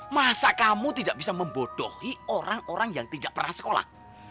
masa kamu tidak bisa membodohi orang orang yang tidak pernah sekolah